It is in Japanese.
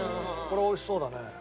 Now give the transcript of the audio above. これ美味しそうだね。